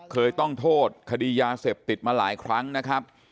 เคยต้องโทษคดียาเสพติดมาหลายครั้งนะครับ